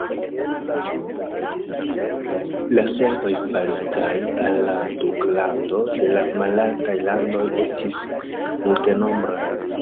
La servoj faritaj al la duklando de la Malaltaj Landoj estis multenombraj.